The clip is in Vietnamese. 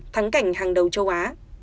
thắng cảnh hàng đầu châu á